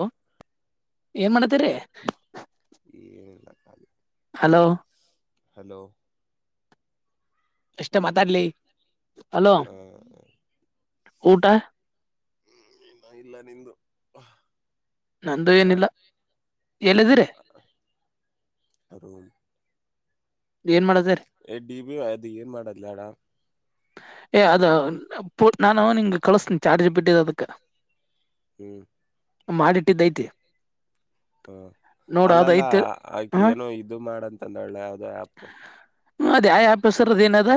ಹ ಏನ್ ಮಾಡತರಿ ಏ ಹಲೋ ಎಷ್ಟ ಮಾತಾಡ್ಲಿ ಅಲೋ ಹ ಊಟ ಹ್ಮ್ ಇನ್ನ ಇಲ್ಲ ನಿಂದು ನಂದು ಆ ಏನಿಲ್ಲ ಹೇಳಿದಿರ ರೂಮ ಏನ್ ಮಾಡ ಎ ಡಿ ಬಿ ಅದು ಏನ್ ಮಾಡದ್ಲ್ಲಾಡ ಏ ಅದ ಪ ನಾನು ನಿಂಗಗೆ ಕಳಸ್ತನಿ ಚಾರ್ಜ್ ಬಿಟ್ಟಿದ್ದ ಅದಕ್ಕೆ ಹ್ಮ ಮಾಡಿಟ್ಟಿದ್ದತಿ ಹ್ಮ ಅಲ್ಲಲ್ಲ ಆಕ ಹಾ ಏನೋ ಇದು ಮಾಡಂತಂದಲ್ಲ ಯಾವ್ದೋ ಆ್ಯಪ್ ಅದ ಆ ಆಫೀಸರ್ದ ಏನದ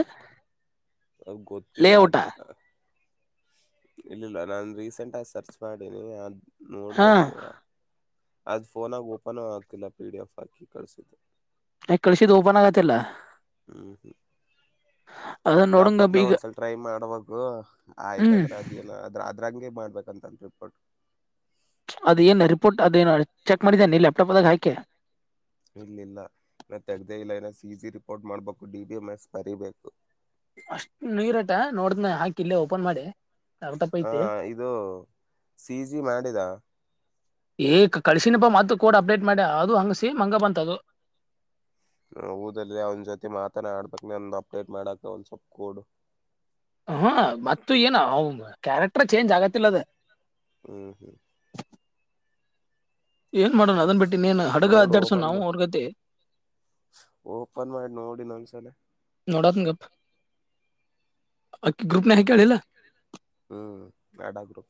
ಅವ ಗೊತ್ತಿಲ್ಲ ಲೇಔಟ ಅ ಇಲ್ಲಿಲ್ಲ ನಾನ್ ರೀಸೆಂಟ್ ಆಗ ಸರ್ಚ್ ಮಾಡೀನಿ ಹಾ ನೋಡ್ಬೇಕು ಅದು ಫೋನಾಗಿ ಓಪನ್ ಆಗ್ತಿಲ್ಲ ಪಿ ಡಿ ಎಫ್ ಹಾಕಿ ಕಳಸಿದ್ದು ಈ ಕಳಸ ದೋಪಾನಾಗತಲ್ಲ ಲ್ಯಾಪ್ಟಾಪ್ ನ ಒಂದ್ಸಲ್ ಟ್ರಮಾಡುವಾಗು ಆಯ್ತ ಹ್ಮ್ ಅಂದ್ರ ಅದ ಏನ ಅದ್ರ ಅದ್ರಂಗೆ ಮಾಡ್ಬೇಕಂತಂದಿಳ್ಬಟ್ಟು ಅದೇನು ರಿಪೋರ್ಟ್ ಅದೇನು ಚೆಕ್ ಮಾಡಿದ್ದೇನೆ ನೀ ಲ್ಯಾಪ್ಟಾಪ್ದಾಗ ಆ್ಕ ಇಲ್ಲ ಇಲ್ಲ ನಾ ತೆಗ್ದೇ ಇಲ್ಲ ಇನ್ನ ಜಿ ರಿಪೋರ್ಟ್ ಮಾಡ್ಬೇಕು ಡಿ ಬಿ ಎಮ್ ಎಸ್ ಬರಿಬೇಕು ಅಷ್ಟು ನೀರಟ ನೋಡ್ದ್ ಹಾಕ ಇಲ್ಲೆ ಓಪನ್ ಮಾಡಿ ಅರ್ಧಪ್ಪ ಹ ಐತಿ ಇದು ಸಿಜಿ ಮಾಡಿದ ಏ ಕಳಸಿನಪ್ಪ ಮ ಕೋಡ್ ಅಪ್ಡೇಟ್ ಮಾಡಿ ಅದು ಹಂಗಸಿ ಮಂಗ ಬಂತದು ಊದಲ್ಲ ಅವನ್ಜೊತಿ ಮಾತಾನ ಆಡ್ಬೇಕಕ್ನೆ ಒಂದ್ ಅಪ್ಡೇಟ್ ಮಾಡಕ ಒಂದ್ ಸ್ವಲ್ಪ್ ಕೋಡು ಹ ಮತ್ತ ಏನ ಕ್ಯಾರೆಕ್ಟರ್ ಚೇಂಜ್ ಆಗತಿಲ್ಲದ ಹ್ಮ್ ಹ್ಮ್ ಏನ್ ಮಾಡೋಣ ಅದನ್ ಬಿಟ್ಟಿ ನೋಡು ಓಪನ್ ಮಾಡ ಓಪನ್ ಮಾಡಿ ನೋಡಿ ನಂದ್ಸಲ ಕ್ಕ ಗ್ರೂಪ್ ನ ಕೇಳಲ್ಲ ಹ್ಮ್ ಎಡ ಗ್ರೂಪ್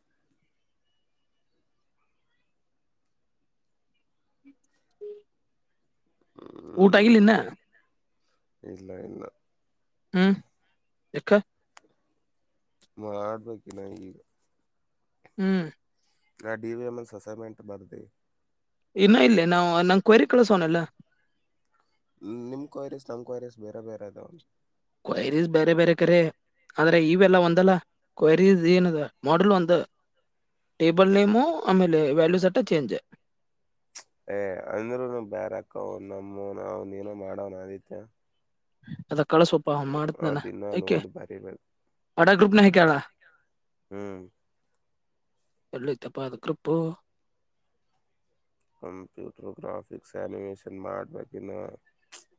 ಊಟಾಗಿಲ್ಲಿ ಇನ್ನ ಹ್ಮ್ ಇಲ್ಲ ಇಲ್ಲ ಹ್ಮ ಇ ಮಾಡ್ಬೇಕಿನ ಈಗ ಹ್ಮ್ ನಾ D V M S assignment ಬರ್ದೆ ಇನ್ನ ಇಲ್ಲೇ ನಾ ನಂ ಕ್ವೇರಿ ಕಳಸೋವನಲ್ಲ ನಿಮ್ ಕ್ವರೀಸ್ ನಮ್ ಕ್ವರೀಸ್ ಬೇರೆ ಬೇರೆ ಅದಾವ ಕ್ವರಿಸ್ ಬೇರೆ ಬೇರೆ ಕೇ ಆದ್ರೆ ಇವೆಲ್ಲ ಒಂದಲ್ಲ ಕ್ರಸ್ ಏನ ಮಾಡಲ್ ಒಂದು ಟೇಬಲ್ ನೇಮು ಆಮೇಲೆ ವ್ಯಾಲ್ಯೂ ಸಟ್ಟ ಚೇಂಜ ಏ ಅಂದ್ನು ಬಾರಕ ಅವ ನಮ್ಮೂನು ಅವನ ನ ಮಾಡೋನಿತ್ಯ [unintelligible] ಅದ ಕಳಸೋಪಾ ಮಾಡತ್ನಾನ ಯಕೆ ನೋಡಿ ಬರಿಬೇಕು ಅಡ ಗ್ರೂಪ್ನ ಹೇ ಕ ಹ್ಮ್ ಎಳ್ಳಿತಪ್ಪಾದ ಕೃಪ್ಪು ಕಂಪ್ಯೂಟರ್ ಗ್ರಾಫಿಕ್ಸ್ ಅನಿಮೇೇಶನ್ ಮಾಡ್ಬೇಕನ್ನು [unintelligible]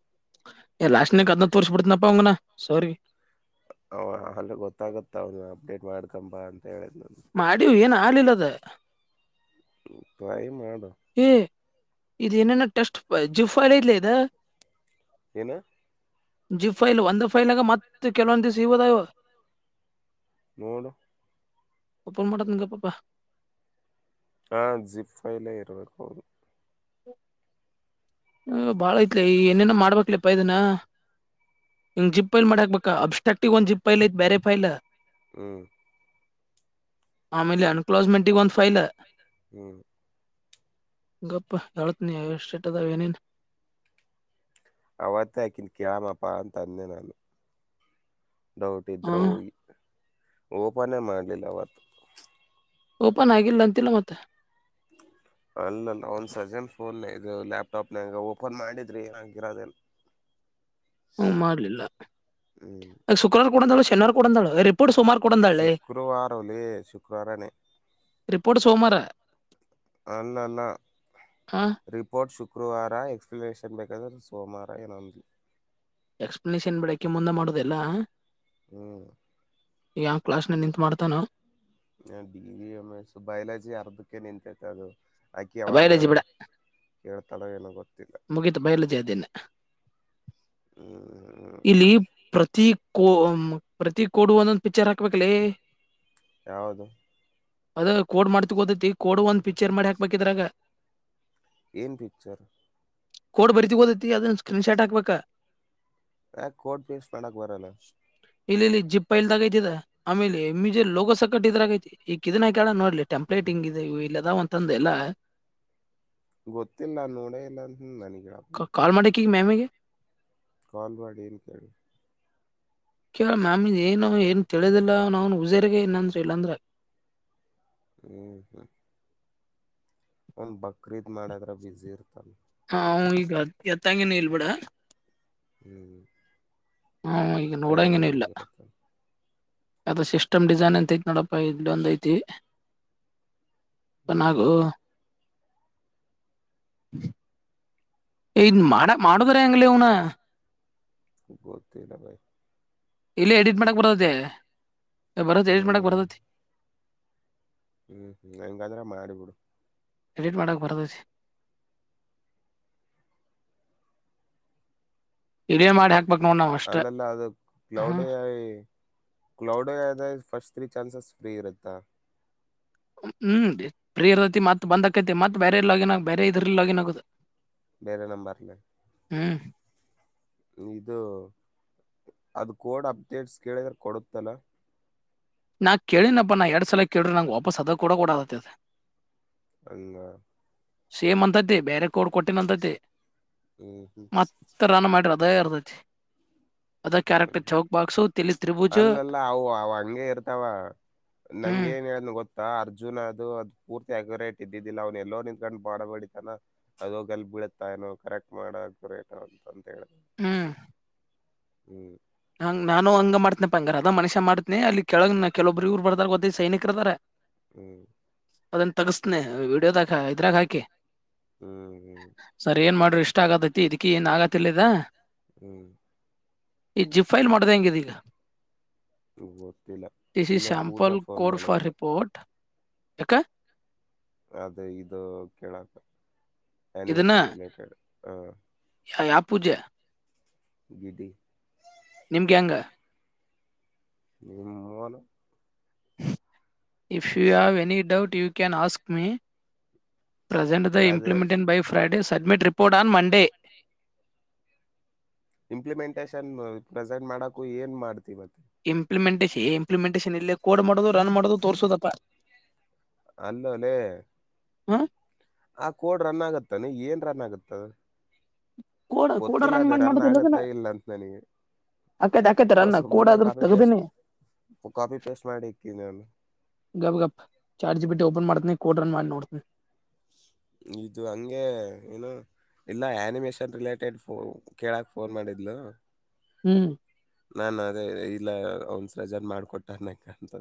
ಏ ಲಾಸ್ಟ್ನಕ್ ಅದ ತೋರಿಸಿ ಬಿಡ್ತನಪ್ಪಾನಾ ಸರಿ ಅವ ಅಲ್ಲಿ ಗೊತ್ತಾಗುತ್ತ ಅವನು ಅಪ್ಡೇಟ್ ಮಾಡ್ಕಂಬ ಅಂತ ಹೇಳಿದ್ ನು ಆಲಿಲ್ಲದ ಪ್ರಾಯ ಮಾಡ ಏ ಇದೇನೇನ ಟೆಸ್ಟ್ ಜುಫೈಲ ಇಲ್ಲ ಇದ ಏನು ಜಿ ಫೈಲ್ ಒಂದು ಫೈಲ್ ಆಗ ಮತ್ತೆ ಕೆಲವೊಂದು ದಿವಸ ಇಗೋದ ಇವ ನೋ ಒಪ್ಪನ್ ಮಾಡೋಟ ನಿಗೆ ಪಾಪ ಹಾ ಜಿಪ್ ಫೈಲೇ ಇರ್ಬೇಕೌದು ಹ್ಮ ಹ ಬಾಳ ಐತ್ಲಿ ಏನೇನ ಮಾಡ್ಬೇಕಕ್ಲ ಪೈದನ ಹಿಂಗ ಜಿಪ್ ಲ್ ಮಾಡ ಹಾಕ್ಬೇಕಾ ಅಬ್ಸ್ಟಾಕ್ಟಿವ್ ಒಂದ್ ಜಿಪ್ ಲ್ ಐತ್ ಬೇರೆ ಫೈಲ್ ಹ್ಮ ಆಮೇಲೆ ಅನ್ಕ್ಲೋಸ್ಮೆಂಟ್ಗ ಒಂದ್ ಫೈಲ್ ಹ್ಮ ಗಪ್ ಯಳತ್ನಯ ಸೇಟದ ವೆನನ್ ಅವತ್ತೇ ಹಾಕಿನ ಕ್ಯಾಮಪ ಅ ತಂದೆ ನಾನು ಡೌಟ್ ಹಾ ಹೋಗಿ ಓಪನೇ ಮಾಡಲಿಲ್ಲ ಅವವತ್ತು ಓಪನ್ ಆಗಿಲ್ಲ ಅಂತಿಲ್ಲ ಮತ್ತ ಅಲ್ಲಲ್ಲ ಒಂದ ಸಜೆನ್ ಫೋನ್ ಇದು ಲ್ಯಾಪ್ಟಾಪ್ನಂಗ ಓಪನ್ ಮಾಡಿದ್ರಿ ಹಾಗಿರೋದ [unintelligible] ಹ್ಮ ಮಾಡ್ಲಿಲ್ಲ ಹ್ಮ್ ಶುಕ್ರವಾರ ಕೊಡಂದಾಳು ಶನಿವಾರ ಕೊಡಂದಾಳುರೆ ಶುಕ್ರವಾರ ಲೆ ಶುಕ್ರವಾರನೇ ರಿಪೋರ್ಟ್ ಸೋಮವಾರ ಅಲ್ಲ ಅಲ್ಲ ಹಾ ರಿಪೋರ್ಟ್ ಶು ಶುಕ್ರವಾರ ಎಕ್ಸನೇಷನ್ ಬೇಕಾದ್ರೆ ಸೋಮವಾರ ಏನಂದಲಿ ಎಕ್ಸ್ಪನೇಷನ್ ಬಿಡಕ ಮುಂದೆ ಮಾಡೋದೆಲ್ಲಾ ಹ್ಮ್. ಯಾ ಕ್ಲಾಸ್ನಾಗ ನಿಂತು ಮಾಡ್ತಾನ. ಹ ಡಿ ಒಮ್ಮೆ ಸು ಬೈಲಾಜಿ ಅರ್ಧಕ್ಕೆ ನಿಂತೇತೆ ಅದು. ಅಕಿ ಆವಾಗ ಬಯಾಲಜಿ ಕೇಳ್ತಳೋ ಏನೋ ಗೊತ್ತ ಮುಗಿತು ಬಯಲ ಜ್ದಿನ ಹ್ಮ್ ಇಲ್ಲಿ ಪ್ರತಿ ಕೋ ಪ್ರತಿ ಕೋಡು ಒಂದೊಂದು ಪಿಕ್ಚರ್ ಹಾಕ್ಬೇಲೆ ಯಾವುದು ಅದ ಕೋಡ್ ಮಾಡ್ತಗೋತೇತಿ ಕೋಡ್ ಒಂದ್ ಪಿಕ್ಚರ್ ಮಾಡಿ ಹಾಕ್ಬೇಕಿದ್ರಗ ಏನ್ ಪಿಕ್ಚರ್ ಕೋಡ್ ಬರಿತಿಗೋದೈತಿ ಅದನ್ನ ಸ್ಕ್ರೀನ್ ಶಾಟ್ ಹಾಕ್ಬೇಕಾ ಯ ಕೋರ್ಟ್ ಪೀಸ್ ಮಾಡಕ್ ಬರಲ್ಲ ಇಲ್ಲಿ ಇಲ್ಲಿ ಜಿಪಲ್ದಾಗೖತ ಆಮೇಲೆ ಮಿಜರ್ ಲೋಗೋ ಸಕಟ್ಟ ಇದ್ರ ಆಗೈತಿ ಈ ಕಿದಿನಾಕಿಡ ನೋಡ್ಲಿ ಟೆಂಪ್ಲೇಟ್ ಟಿಂಗ್ ಇದೆ ಇ ಇಲ್ಲದಾವ ಒಂತಂದ ಎಲ್ಲ ಗೊತ್ತಿಲ್ಲ ನೋಡೇ ಇಲ್ಲ ನನಗಿಡಪ್ಪ ಕೀ ಮಾಮ್ಗೆ. ಕಾಲ್ ಮಾಡಿ ಏನ ಕೇಳಿ. ಕೇಳ ಮ್ಯಾಮ ಏನು ಏನು ತಿಳಿದಿಲ್ಲ ನ ಅವನು ಉಸೇಗೆ ಏನಂದ ಇಲ್ಲಾಂದ್ರ. [unintelligible] ಒಂದ ಬಕ್ರೀದ್ ಮಾಡದ್ರಗ ಬಿಜಿ ಇರ್ತನ. ಹ ಈಗ ಎತ್ತಂಗನ ಇಲ್ಬಿಡ. ಹ್ಮ್. ಹಾ ಈಗ ನೋಡಾಂಗನು ಪ್ರೇಯರಿಗೆ ಇಲ್ಲ್. ಹೋಗಿರತ್ತ ಅದು ಸಿಸ್ಟಮ್ ಡಿಸೈನ್ ಅಂತ ಐತಿ ನೋಡಪ ಇಲ್ಲೊಂದ ಐತಿ. ನಾಗು, ಹ್ಮ್ ಇನ್ ಮಾಡ ಮಾಡುದ್ರ ಹೆಂಗಲಿ ಇವ್ನ. ಗೊತ್ತಿಲ್ಲ ಬೈ. ಇಲ್ಲ ಎಡಿಟ್ ಮಾಡಕ್ ಬರದೇ. ಬರತ್ತತಿ ಎಡಿಟ ಮಾಡಕ್ ಹ್ಮ್ ಬರತಿ. ಹ್ಮ್ ಹ್ಮ್ ಹಂಗಾದ್ರೆ ಮಾಡಿಬಿಡು. ಎಡಿಟ್ ಮಾಡಕ್ ಬರ್ತಿತಿ. ವಿಡಿಯೋ ಮಾಡಿ ಹಾಕ್, ಅಲ್ಲಲ್ಲ ಅದು cloud AI cloud AI first three chances free ಇರುತ್ತಾ. ಹ್ಮ್ ಫೀ ಇರ್ತೈತಿ ಮತ್ ಬಂದಕೈತಿ ಮತ್ ಬೇರೆ ಲಾಗಿನ್ ಬೇರೆ ಇದ್ರ ಲಾಗಿನ್ ಆಗುದು. ಬೇರೆ ನಂಬರ್ಲ್ಲ. ಹ್ಮ್. ಇದು ಅದು ಕೋಡ್ ಅಪ್ಡೇಟ್ಸ್ ಕೇಳಿದ್ರ ಕೊಡುತ್ತಲ್ಲ. ನಾ ಕೇಳಿನಪ್ಪ ನಾ ಎರಡ್ ಸಲ ಕೇಳ್ರೆ ನಂಗೆ ವಾಪಾಸ್ ಅದ ಕೂಡ ಕೊಡದತ್ತತೆ. ಹಂಗ. ಸೇಮ್ ಅಂತೈತಿ ಬೇರೆ ಕೋಡ್ ಕೊಟ್ಟಿನ ಅಂತತಿ ಹ್ಮ್ ಹ್ಮ್ ಮತ್ತ ರನ್ ಮಾಡ್ರ ಅದೇ ಅರ್ದ ಅದ ಕ್ಯಾರೆಕ್ಟರ್ ಚೌಕ್ ಬಾಕ್ಸು ತಿಲಿ ತ್ರರಿಭುಜ. ಅಲ್ಲಲ್ಲ ಅವು ಅವ ಹಂಗೆ ಇರ್ತಾವ ನಂಗೆ ಏನ್ ಹೇಳದ ಗೊತ್ತಾ ಅರ್ಜು ಜೂನ್ ಅದು ಅದು ಪೂರ್ತಿ ಆಕ್ಯುರೇಟ್ ಇದ್ದಿದ್ದಿಲ್ಲ ಅವ್ನ ಎಲ್ಲೋ ನಿಂತ್ಕೊಂಡು ಬ ಮಾಡಬಡಿತಾನ ಅದು ಹೂಗಲ್ಲಿ ಬೀಳುತ್ತಾ. [unintelligible] ಹ್ಮ್. ಹ್ಮ್. ಹಂಗ ನಾನು ಹಂಗ ಮಾಡ್ತನಪ್ಪ ಅಂಗಾರ ಅದ ಮನುಷ್ಯ ಮಾಡ್ತನಿ ಅಲ್ಲಿ ಕೆಳಗ್ ಕೆಲೊಬ್ರು ಇ್ರು ಬರ್ದಾರ ಗೊತ್ತೇ ಈ ಸೈನಿಕರ ಅದರಾ. ಹ್ಮ್. ಅದನ್ನ ತಗಸ್ನನೆ ವಿಡಿಯೋದ್ಗಾ ಇದ್ರಾಗ ಹಾಕಿ ಹ್ಮ್ ಸರಿ ಏನ್ ಮಾಡ ಇಷ್ಟ ಆಗತೈತಿ ಇದಕ ಏನ್ ಆಗತಿ ಇಲ್ಲಿದ. ಹ್ಮ್. ಈ ಜಿಪ್ ಫೈಲ್ ಮಾಡಿದೆ ಹೆಂಗಿದಿಲ್ಲ ಗೊತ್ತಿಲ್ಲ ಇನ್ನೆ ಪೂಜಾ ಫೋನ್ ಮಾಡಲು ಹಕ್ಕೆ ಅದೇ ಇದು ಕೇಳಕ್. ಇದನ್ನ ಆನಿಮೇಷನ್ ರಿಲೇಟೆಡ್ ಹ್ಮ್ ಪೂಜ. ಗಿಡ್ಡಿ. ನಿಮ್ gang. [unintelligible] If you have any doubt you can ask me. ಪ್ರೆಸೆಟ್ದ ಅದೇ ಇಂಪ್ಲಿಮೆಂಟ್ನಾ by five days. Submit report on Monday. Implementation present ಮಾಡಕು ಏನ್ ಮಾಡ್ತಿವತ್ತು ಇಂಪ್ಲಿಮೆಂಟೇಶನ್ ಏ ಇಂಪ್ಲಿಮೆಂಟೇಶನ್ ಇಲ್ಲೇ ಕೋಡ್ ಮಾಡೋದು ರನ್ ಮಾಡೋದು ತೋರ್ಸೋದಪ್ಪಾ ಅಲ್ಲಲ ಹಾ ಆ ಕೋಡ್ ರನ್ ಆಗತ್ತಾನ ಏನ್ ರನ್ ಆಗತ್ತದ ಕೋಡ್ ಕೋಡ ಗೊತ್ತಿಲ್ಲ ಅದ ಮಾಡಿ ರನ್ ಮಾಡೋದಿಲ್ಲ ಅದನ್ನ ಆಗತ್ತಾ ಇಲ್ಲ ಅಂತ ನನಗೆ ಆಕೈತೆ ಆಕೈತೆ ರನ್ ಕೋಡ್ ಸುಮನೆ ಆದ್ರೂ ಕಾಫಿ ಪೇಸ್ಟ್ ತೆಗ್ದಿನಿ ಕಾಫಿ ಪೇಸ್ಟ್ ಮಾಡಿ ಇಕ್ಕು ಗಪ್ ಗಪ್ ಚಾರ್ಜಿ ಬಿಟ್ಟು ಓಪನ್ ಮಾಡ್ತನಿ ಕೋಟ್ ರನ್ ಮಾಡಿ ನೋಡ್ತನಿ ಇದು ಹಂಗೆ ಏನು ಇಲ್ಲ ಆನಿಮೇೇಶನ್ ರಿಲೇಟೆಡ್ ಫೋ ಕೇಳಕ್ ಫೋನ್ ಮಾಡಿದ್ಲು ಹ್ಮ್ ನಾ ಅದೇ ಇಲ್ಲ ಒನ್ಸ ರಜನ್ ಮಾಡ್ಕೊಟ್ಟಾರನಕ್ಕ ಅಂತ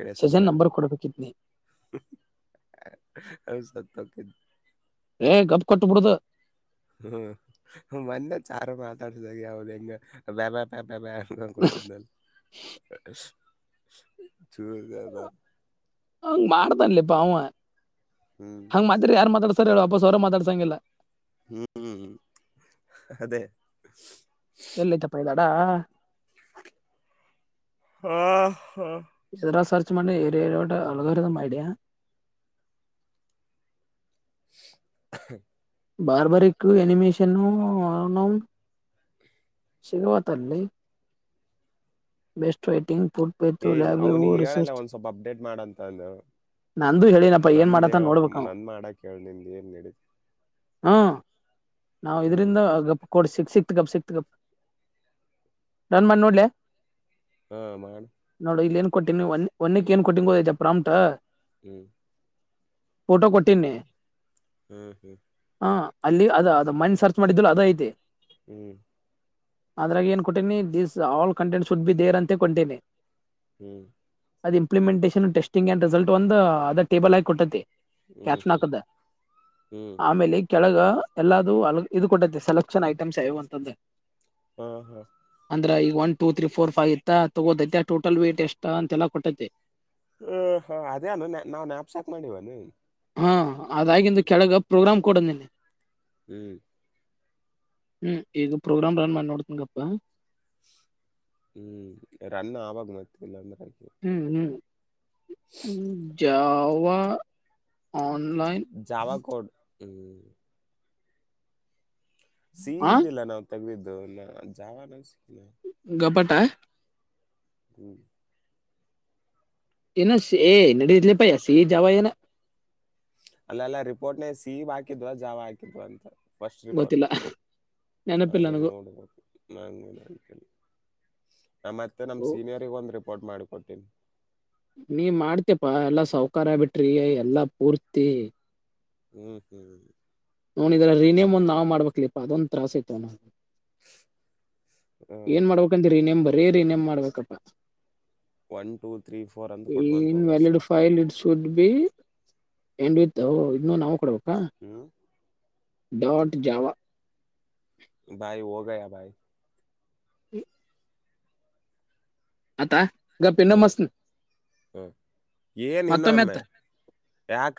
ಎಡ ಸ ಸಜೆನ್ ನಂಬರ್ ಕೊಡ್ಬೇಕಿದ್ನಿ ಅವ ತತ ಏ ಗಬ್ು ಕೊಟ್ಟ ಬಿಡ್ದ ಹ್ಮ್ ಮೊನ್ನೆ ಚಾರು ಮಾತಾಡ್ಸಿದಾಗ ಯಾವ್ದ ಹೆಂಗ ಬಬ ಬಬಬ ಹಕೊತಿದ್ನಲ್ಲಿ ಬ ಹಂಗ್ ಮಾಡ್ತಾನ್ಲಿಪ್ಪ ಅವ ಹಂಗ ಮಾತ್ರರಿ ಯಾರು ಮಾತಾಡ್ತಾರ ಹೇಳ ಅಪ್ಪಸ್ ಅವರ ಮಾತಾಡ್ಸಂಗಿಲ್ಲ ಹ್ಮ್ ಅದೇ ಎಲ್ಲೈತಪ್ಪ ಇದ್ದಾಡಾ ಹಾ ಹಾ ಚಮಂಡ ಏರಿಯ ಆಳಗಾರಿ ಐಡಿಯಾ ಬಾರ್ಬಾರಿಕ್ು ಎನಿಮೇಷನ್ನು ನಾವು ಸಿಗುವ ತಲ್ಲಿ ಬೆಸ್ಟ್ ರೈಟಿಂಗ್ ಫುಡ್ ಪೇತು ಏ ಲ್ಯಾಬ್ ಇವು ಅವ್ನಿಿಗೆ ಹೇಳಲ್ಲ ರಿಸರ್ಚ್ ಒಂದ ಸ್ವಲ್ಪ ಅಪ್ಡೇಟ್ ಮಾಡಂತ ಅಂದ ನಂದು ಹೇಳಿನಪ್ಪ ಏನ್ ನಂದ ಮಾಡತ್ತ ಹೇಳಕ್ ನೋಡ್ಬೇಕ ಅವ ನನ್ ಮಾಡ ಕೇಳ ನಿಿಂದ ಏನ್ ನಡಿದೆ ಹ್ಮ್ ನಾವ್ ಇದರಿಂದ ಗ ಕೊಡ್ ಸಿಕ್ ಸಿಕ್ತ್ಗಪ್ ಸಿಕ್ತ್ಗಪ್ ನನ್ ಮನ್ ನೋಡ್ಲೆ ಹಾ ಮಾಡ ಕೊಟ್ಟಿ ಒ ಒನ್ನಿ ಏನ್ ಕೊಟ್ಟಿೋದ ಜಪ್ಪ್ರಾಂಟ ಹ್ಮ್ ಹ್ಮ್ ಕೊಟ್ಟಿನಿ ಹ್ಮ್ ಹಾ ಅಲ್ಲಿ ಅದ ಅದು ಮ ಸರ್ಚ್ ಮಾಡಿದ್ದ ಅದ ಐತೆ ಹ್ಮ್ ಅದ್ರಾಗ ಏನ್ ಕೊಟ್ಟೀನಿ this all content should be there ಅಂತ ಕತೀನಿ ಹ್ಮ್ ಅದು ಇಂಪ್ಲಿಮೆಂಟಷನ್ ಟೆಸ್ಟಿಡ್ ರಿಸಲ್ಟ್ ಒಂದು ಅದ ಟೇಬಲ್ ಹಾಕಿ ಕೊಟ್ಟೈತಿ ಹ್ಮ್ ಕ್ಯಾಟ್ ಹ್ಮ್ ಲಾಕ್ ದ ಹ್ಮ್ ಆಮೇಲಿ ಕೆಳಗ ಎಲ್ಲದು ಅ ಇದು ಕೊಟ್ಟೈತಿ ಸೆಲೆಕ್ಷನ್ ಐಟಮ್ಸ್ ಯ ಅಂತದ್ದ ಹ್ಮ ಹಾ ಅ್ರ ಈಗ one two three four five ಇತ್ತ ತಗೋೈತೆ ಟೋಟಲ್ ವೇಟ್ ಎಷ್ಟ ಅಂತೆ ಎಲ್ಲ ಕೊಟ್ಟೈತೆ ಹ ಹ ಅದೇನು ನಾ್ನ್ಾಪ್ಸಾಕ್ ಮಾಡಿವನು ಹಾ ಅದಾಗಿಂದು ಕೆಳಗ ಪ್ರೋಗ್ರಾಮ್ ಕೊಡ ನಿನ್ನೆ ಹ್ಮ್ ಹ್ಮ್ ಈಗ ಪ್ರೋಗ್ರಾಮ್ ರನ್ ಮಾಡಿ ನೋಡ್ತನಂಗಪ್ಪಾ ಹ್ಮ್ ರನ್ನ ಆವಾಗ ಮತಲ್ಲ ಹ್ಮ್ ಹ್ಮ್ ಜಾವ ಆನ್ಲೈನ್ ಹೂ ಸಿಹಿ ಆ ಇದ್ದೀಲೇನು ತಗ್ದಿದ್ದು ನ ಜಾವ ನ ಸಿಲ್ಲ ಗಪಟಾ [unintelligible] ಇ ಏನ ನಡೀಲಿಪಯ ಅ ಸಿಹಿ ಜಾವಾ ಎನ್ ಅಲ್ಲೆಲ್ಲಾ ರಿಪೋರ್ಟ್ನ ಸೀಹಿ ಹಾಕಿದ್ವ ಜಾವ ಹಾಕಿದ್ವ ಅಂತಾ ಫಸ್ಟ್ ರಿಪೋರ್ಟ ಗೊತ್ತಿಲ್ಲ ನೆನಪಿಲ್ಲ ಅದೇ ನನಗೂ ನೋಡ್ಬು ನಾನ ನೋಡಿರ್ಕಿಲ್ ನ ಮತ್ತೆ ನಮ ಓ ಸೀನಿಯರಿ ಒಂದು ರಿಪೋರ್ಟ್ ಮಾಡ್ಕೊಟ್ಟೀನಿ ನೀ ಮಾಡ್ತಪಾ ಎಲ್ಲಾ ಸವಕಾರ ಆಗಿ ಬಿಟ್ರಿ ಎಲ್ಲಾ ಪೂರ್ತಿ ಹ್ಮ ನೋ ಇದ್ರ ರಿನಮ್ ಒಂದ ನ ಮಾಡಬೇಕಕ್ಲಿ ಅದೊಂದ ತಾಸ ಐತವಣ್ಣ ಹ್ಮ್ ಏನ್ ಮಾಡ್ಬೇಕಂತ ನೇಮ್ ಬರೀ ರಿನೇಮ್ ಮಾಡ್ಬೇಕಪ್ಪಾ ಒನ್ ಟೂ ತ್ರೀ ಫೋರ್ ಅಂತ ಕೊಟ್ಕೊಂತ ಇನ್ ಹೋಗ ಅಷ್ಟೆ valid file it's should be end with ಇನ್ನು ನಾವು ಕೊಡಬೇಕು ಹ್ಮ ಡಾಟ್ ಜಾವಾ ಭಾಯ ಹೋಗಯಾ ಭೈ [unintelligible] ಆತಾ ಗಪ್ ಇನೋಮಿ ಹ್ಮ್ ಹಸ್ತನ್ ಏನ್ ಇನ್ನೊ ಹಚ್ಚು ನಮ್ಮೆ ಯಾಕ